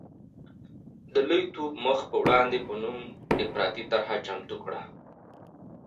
د لوی ټوپ مخ په وړاندې په نوم یې افراطي طرحه چمتو کړه.